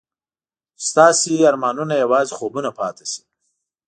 چې ستاسو ارمانونه یوازې خوبونه پاتې شي.